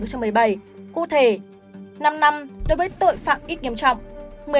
cụ thể năm năm đối với tội phạm ít nghiêm trọng